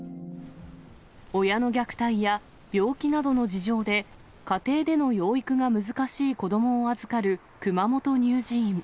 親の虐待や病気などの事情で、家庭での養育が難しい子どもを預かる熊本乳児院。